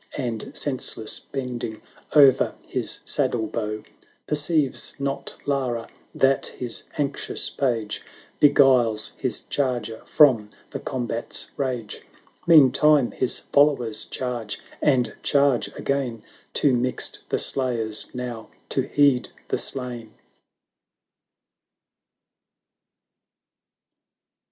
And senseless bending o'er his saddle bow. Perceives not Lara that his anxious page Beguiles his charger from the combat's rage: Meantime his followers charge, and charge again; Too mixed the slayers now to heed the slain